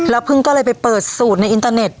พึ่งก็เลยไปเปิดสูตรในอินเตอร์เน็ต